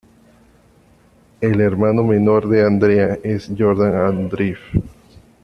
El hermano menor de Andrea es Yordan Andreev.